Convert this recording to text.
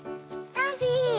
サフィー